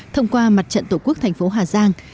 thông qua mặt trận tổ quốc thành phố hà giang